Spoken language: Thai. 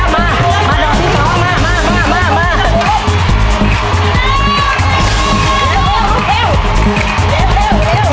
ไม่ออกครั้งใหม่